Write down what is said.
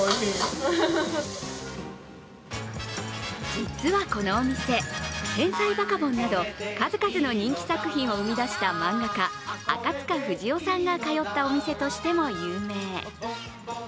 実はこのお店「天才バカボン」など、数々の人気作品を生み出してきた漫画家・赤塚不二夫さんが通ったお店としても有名。